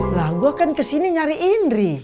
lah gue kan kesini nyari indri